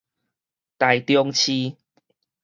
臺中市